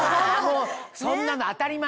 そんなの当たり前。